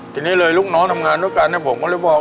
ทีนี้เลยลูกน้องทำงานด้วยกันผมก็เลยบอก